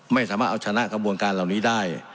ไม่สามารถเอาชนะกระบวนการเหล่านี้ได้